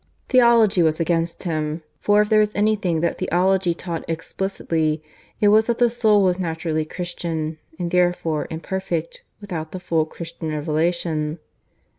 Theology was against him; for if there was anything that theology taught explicitly, it was that the soul was naturally Christian, and therefore imperfect without the full Christian Revelation.